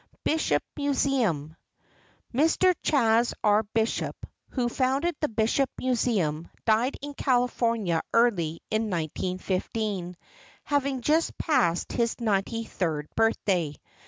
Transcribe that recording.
BISHOP MUSEUM Mr. Chas. R. Bishop, who founded the Bishop Museum, died in California early in 1915, having just passed his ninety third birthday.